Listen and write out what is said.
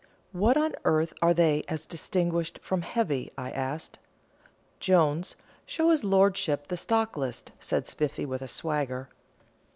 "What on earth are they as distinguished from heavy?" I asked. "Jones, show his lordship the stock list," said Spiffy, with a swagger.